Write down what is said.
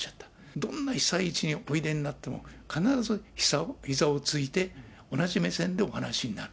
どんな被災地においでになっても、必ずひざをついて、同じ目線でお話になる。